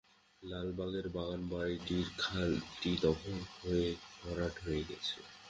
লালবাগের বাগানবাড়ির খালটি দখল হয়ে ভরাট হয়ে গেছে।